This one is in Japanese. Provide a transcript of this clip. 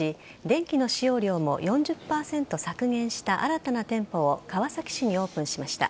電気の使用量も４０％削減した新たな店舗を川崎市にオープンしました。